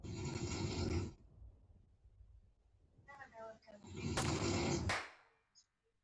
د سرو، وینو اوبه ورکوي